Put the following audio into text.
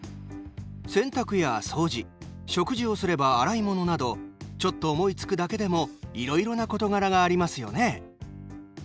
洗濯や掃除食事をすれば洗い物などちょっと思いつくだけでもいろいろな事柄がありますよね。